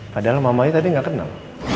padahal mamahnya tadi gak kenal